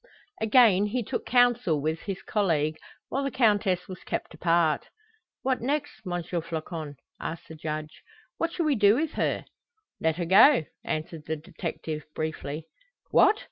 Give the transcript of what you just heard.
Again he took counsel with his colleague, while the Countess was kept apart. "What next, M. Floçon?" asked the Judge. "What shall we do with her?" "Let her go," answered the detective, briefly. "What!